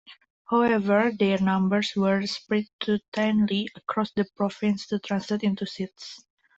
However, their numbers were spread too thinly across the province to translate into seats.